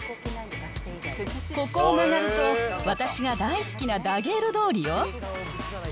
ここを曲がると私が大好きなダゲール通りよ。